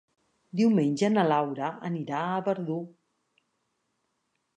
Diumenge na Laura anirà a Verdú.